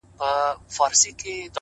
د اله زار خبري ډېري ښې دي”